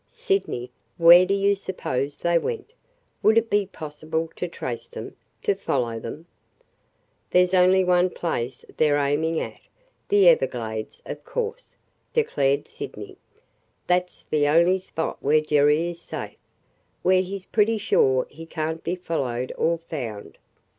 "Sydney, where do you suppose they went? Would it be possible to trace them – to follow them?" "There 's only one place they 're aiming at – the Everglades, of course!" declared Sydney. "That 's the only spot where Jerry is safe – where he 's pretty sure he can't be followed or found.